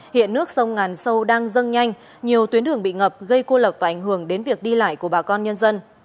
hiện nước sông ngàn sâu đang dâng nhanh nhiều tuyến đường bị ngập gây cô lập và ảnh hưởng đến việc đi lại của bà con nhân dân